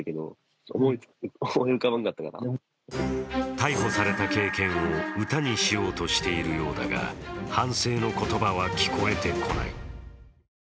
逮捕された経験を歌にしようとしているようだが、反省の言葉は聞こえてこない。